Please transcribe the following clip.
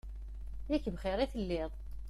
Yak bxir i telliḍ!